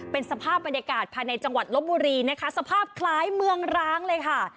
เป็นสภาพบรรยากาศภายในจังหวัดลบบุรีนะคะสภาพคล้ายเมืองร้างเลยค่ะ